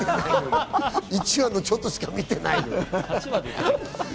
１話のちょっとしか見てないのに。